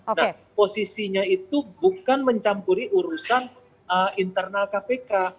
nah posisinya itu bukan mencampuri urusan internal kpk